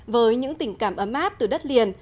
với những tình cảm ấm áp từ đất liền